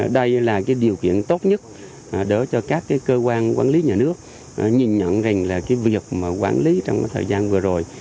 đây là cái điều kiện tốt nhất đỡ cho các cơ quan quản lý nhà nước nhận rình là cái việc quản lý trong thời gian vừa rồi